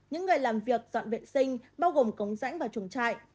những người làm việc dọn vệ sinh bao gồm cống rãnh và chuồng trại